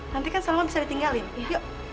nanti kan salman bisa ditinggalin yuk